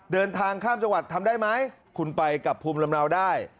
เดินทางข้ามจังหวัดทำได้ไหมคุณไปกับภูมิลำเนาได้